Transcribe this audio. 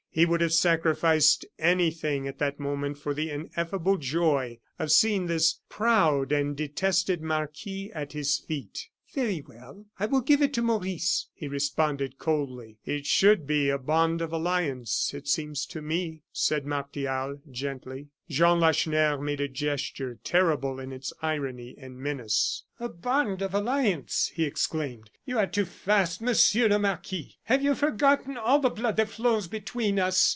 He would have sacrificed anything at that moment for the ineffable joy of seeing this proud and detested marquis at his feet. "Very well, I will give it to Maurice," he responded, coldly. "It should be a bond of alliance, it seems to me," said Martial, gently. Jean Lacheneur made a gesture terrible in its irony and menace. "A bond of alliance!" he exclaimed. "You are too fast, Monsieur le Marquis! Have you forgotten all the blood that flows between us?